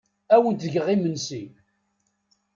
Ad awent-d-geɣ imensi.